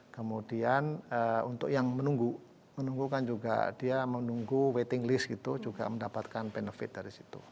kemudian untuk yang menunggu menunggu kan juga dia menunggu waiting list gitu juga mendapatkan benefit dari situ